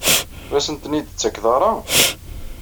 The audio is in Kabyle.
Ur asen-ten-id-tettakeḍ ara?